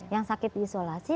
yang sakit di isolasi